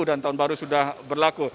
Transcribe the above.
dan tahun baru sudah berlaku